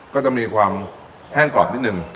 ก็จะมีความแห้งกรอบนิดนึง